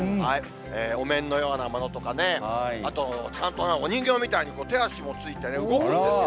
お面のようなものとかね、あとちゃんとお人形みたいに手足もついてね、動くんですよ。